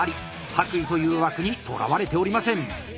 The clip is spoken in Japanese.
白衣という枠にとらわれておりません。